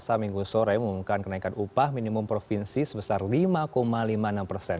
seminggu sore memumumkan kenaikan upah minimum provinsi sebesar lima lima puluh enam persen